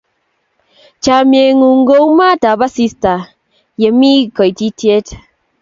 Chomye ng'ung' kou maat ap asista ye mi koitityet.